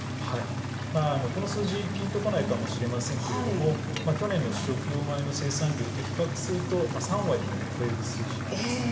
この数字ピンとこないかもしれませんけれども、去年の主食用米の生産量と比較すると３割を超える数字です。